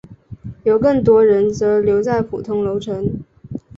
有更多人则留在普通楼层。